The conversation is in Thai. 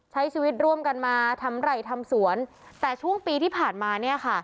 ใช้ชีวิตร่วมกันมาทำไหล่ทำสวนแต่ช่วงปีที่ผ่านมาเนี่ยค่ะ